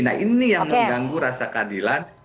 nah ini yang mengganggu rasa keadilan